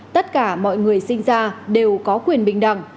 tất cả mọi người sinh ra đều có quyền bình đẳng